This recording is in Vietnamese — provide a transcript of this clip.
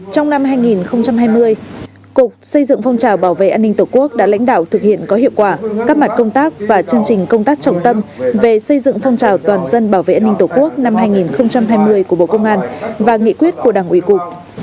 trong năm hai nghìn hai mươi cục xây dựng phong trào bảo vệ an ninh tổ quốc đã lãnh đạo thực hiện có hiệu quả các mặt công tác và chương trình công tác trọng tâm về xây dựng phong trào toàn dân bảo vệ an ninh tổ quốc năm hai nghìn hai mươi của bộ công an và nghị quyết của đảng ủy cục